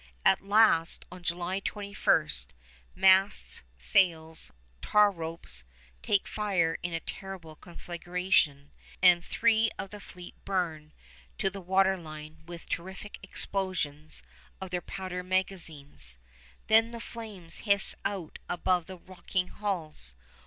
At last, on July 21st, masts, sails, tar ropes, take fire in a terrible conflagration, and three of the fleet burn to the water line with terrific explosions of their powder magazines; then the flames hiss out above the rocking hulls.